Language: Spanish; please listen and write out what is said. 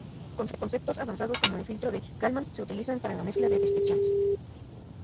Conceptos avanzados como el filtro de Kalman se utilizan para la mezcla de descripciones.